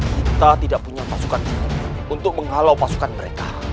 kita tidak punya pasukan untuk menghalau pasukan mereka